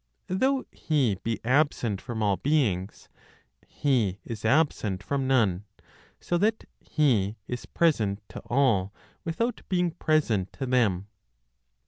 Though He be absent from all beings, He is absent from none, so that He is present (to all) without being present (to them).